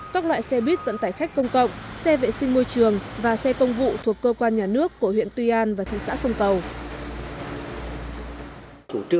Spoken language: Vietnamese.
các loại xe buýt vận tải khách công cộng xe vệ sinh môi trường và xe công vụ thuộc cơ quan nhà nước của huyện tuy an và thị xã sông cầu